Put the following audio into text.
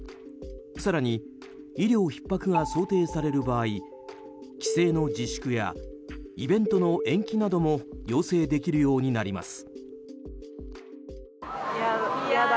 更に、医療ひっ迫が想定される場合帰省の自粛やイベントの延期なども要請できるようになります。